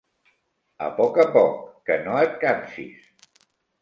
A poc a poc, que no et cansis.